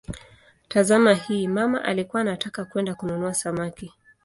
Tazama hii: "mama alikuwa anataka kwenda kununua samaki".